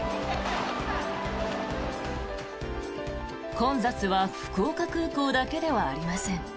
混雑は福岡空港だけではありません。